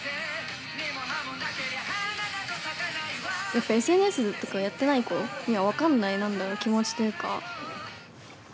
やっぱＳＮＳとかやってない子には分かんない何だろ気持ちというか。